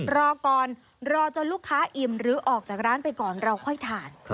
รอก่อนรอจนลูกค้าอิ่มหรือออกจากร้านไปก่อนเราค่อยทาน